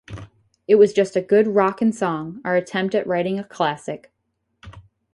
It was just a good rockin' song, our attempt at writing a classic...